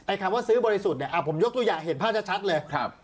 คำว่าซื้อบริสุทธิ์เนี่ยผมยกตัวอย่างเห็นภาพชัดเลย